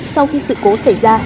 sau khi sự cố xảy ra